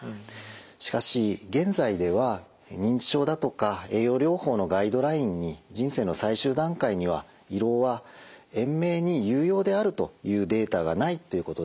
しかし現在では認知症だとか栄養療法のガイドラインに人生の最終段階には胃ろうは延命に有用であるというデータがないということでですね